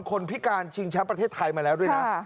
คนพิการชิงแชมป์ประเทศไทยมาแล้วด้วยนะ